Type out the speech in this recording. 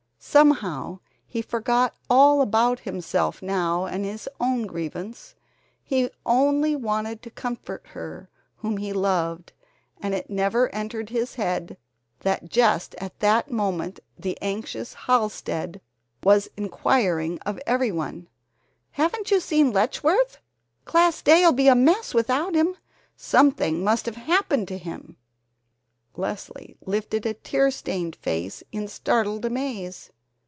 Somehow he forgot all about himself now and his own grievance he only wanted to comfort her whom he loved, and it never entered his head that just at that moment the anxious Halsted was inquiring of everyone: "Haven't you seen Letchworth? Class Day'll be a mess without him! Something must have happened to him!" Leslie lifted a tear stained face in startled amaze.